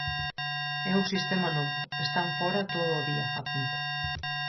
"É un sistema novo, están fóra todo o día", apunta.